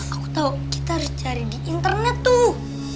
aku tahu kita harus cari di internet tuh